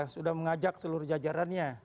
sudah mengajak seluruh jajarannya